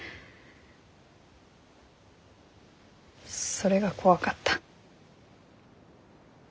それが怖かった。